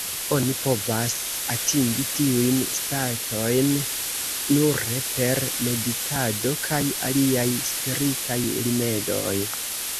Oni povas atingi tiujn statojn nure per meditado kaj aliaj spiritaj rimedoj.